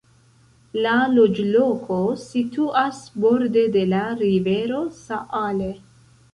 La loĝloko situas borde de la rivero Saale.